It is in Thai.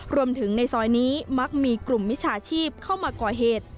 รวมถึงในซอยนี้มักมีกลุ่มวิชาชีพเข้ามาก่อเหตุ